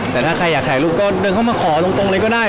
แต่ถ้าใครอยากถ่ายรูปก็เดินเข้ามาขอตรงเลยก็ได้